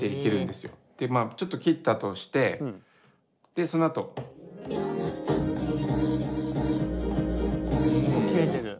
でまあちょっと切ったとしてそのあと。切れてる。